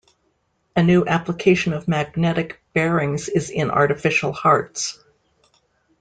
A new application of magnetic bearings is in artificial hearts.